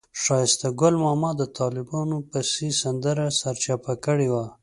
ښایسته ګل ماما د طالبانو پسې سندره سرچپه کړې وه.